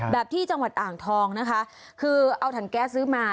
ที่จังหวัดอ่างทองนะคะคือเอาถังแก๊สซื้อมา